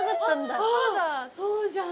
そうじゃん。